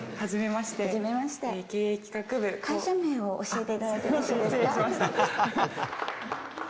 会社名を教えていただいてよ失礼しました。